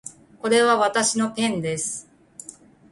これはわたしのペンです